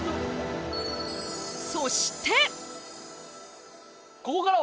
そして！